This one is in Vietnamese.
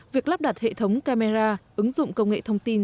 việc lắp đặt hệ thống camera ứng dụng công nghệ thông tin